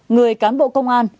người cán bộ công an